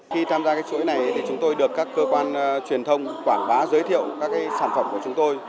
khi tham gia chuỗi này chúng tôi được các cơ quan truyền thông quảng bá giới thiệu các sản phẩm của chúng tôi